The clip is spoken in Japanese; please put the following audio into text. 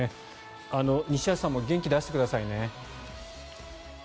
西橋さんも元気出してくださいね。